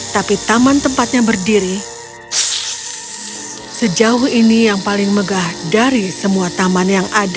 tapi taman tempatnya berdiri sejauh ini yang paling megah dari semua taman yang ada